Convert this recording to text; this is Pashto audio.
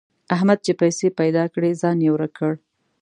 احمد چې پیسې پيدا کړې؛ ځان يې ورک کړ.